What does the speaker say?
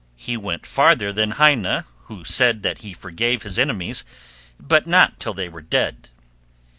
He went farther than Heine, who said that he forgave his enemies, but not till they were dead.